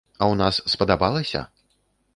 А ў нас спадабалася?